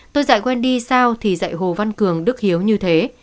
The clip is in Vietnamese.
tôi dạy wendy sao thì dạy hồ văn cường đức hiếu như thế